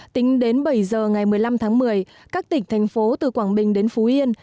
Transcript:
tính đến bảy giờ ngày một mươi năm tháng một mươi các tỉnh thành phố từ quảng bình đến phú yên